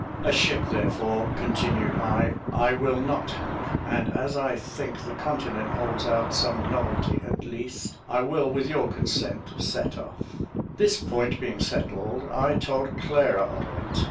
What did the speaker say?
A ship, therefore," continued I, "I will not have; and as I think the continent holds out some novelty at least, I will, with your consent, set off." This point being settled, I told Clara of it.